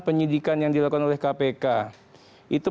penyidikan yang dilakukan oleh kpk itu